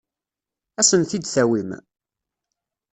Ad asen-t-id-tawim?